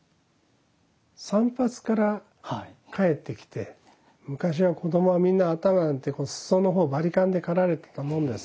散髪から帰ってきて昔は子どもはみんな頭なんて裾の方をバリカンで刈られてたもんです。